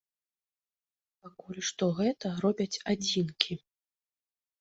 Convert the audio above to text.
Пакуль што гэта робяць адзінкі.